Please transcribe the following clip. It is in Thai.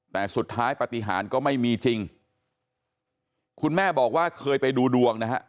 แต่สุดท้ายปฏิหารก็ไม่มีจริงคุณแม่บอกว่าเคยไปดูดวงนะฮะ